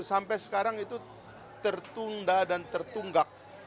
sampai sekarang itu tertunda dan tertunggak